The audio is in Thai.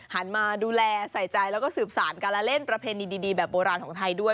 หันมาดูแลใส่ใจแล้วก็สืบสารการละเล่นประเพณีดีแบบโบราณของไทยด้วย